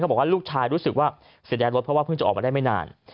บอกว่าลูกชายรู้สึกว่าเสียดายรถเพราะว่าเพิ่งจะออกมาได้ไม่นาน